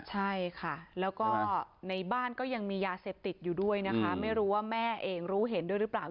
ใช่ค่ะแล้วก็ในบ้านก็ยังมียาเสพติดอยู่ด้วยนะคะไม่รู้ว่าแม่เองรู้เห็นด้วยหรือเปล่า